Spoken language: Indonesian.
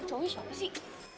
cowoknya siapa sih